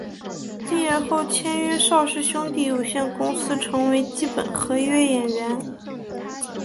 毕业后签约邵氏兄弟有限公司成为基本合约演员。